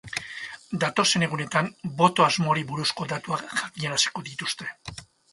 Datozen egunetan boto-asmoari buruzko datuak jakinaraziko dituzte.